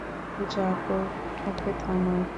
Jacob, ওকে থামাও!